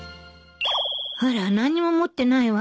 あら何にも持ってないわ